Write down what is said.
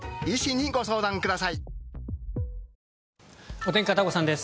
お天気、片岡さんです。